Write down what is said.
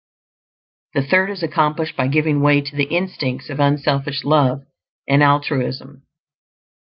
The third is accomplished by giving way to the instincts of unselfish love and altruism.